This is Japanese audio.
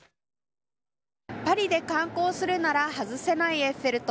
パリで観光するなら外せないエッフェル塔。